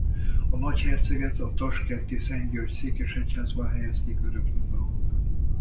A nagyherceget a taskenti Szent György székesegyházban helyezték örök nyugalomra.